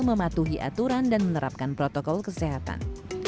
mematuhi aturan dan menerapkan protokol kesehatan